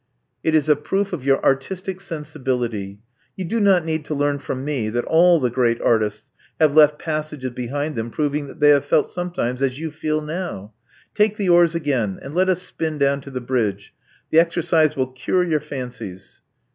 '*It is a proof of your artistic sensibility. You do not need to learn from me that all the great artists have left passages behind them proving that they have felt sometimes as you feel now. Take the oars again ; and let us spin down to the bridge. The exercise will cure your fancies."